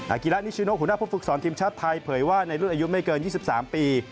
กิระนิชิโนหัวหน้าผู้ฝึกสอนทีมชาติไทยเผยว่าในรุ่นอายุไม่เกิน๒๓ปี